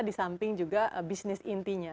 di samping juga bisnis intinya